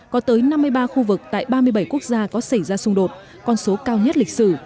có tới năm mươi ba khu vực tại ba mươi bảy quốc gia có xảy ra xung đột con số cao nhất lịch sử